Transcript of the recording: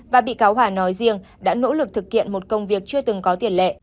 và bị cáo hòa nói riêng đã nỗ lực thực hiện một công việc chưa từng có tiền lệ